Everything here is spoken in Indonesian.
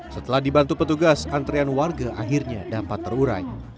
setelah dibantu petugas antrean warga akhirnya dapat terurai